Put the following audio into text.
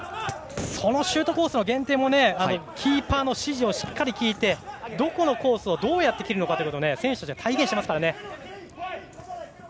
そのシュートコースの限定もキーパーの指示をしっかり聞いてどこのコースをどうやって切るのかというのを選手たちは体現してますからね。